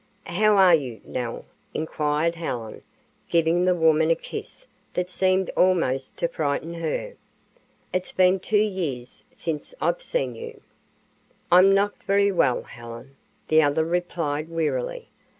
"How are you, Nell?" inquired Helen, giving the woman a kiss that seemed almost to frighten her. "It's been two years since I've seen you." "I'm not very well, Helen," the other replied, wearily.